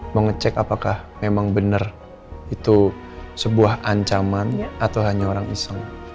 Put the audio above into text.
mau ngecek apakah memang benar itu sebuah ancaman atau hanya orang iseng